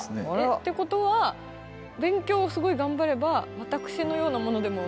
ってことは勉強をすごい頑張れば私のような者でも。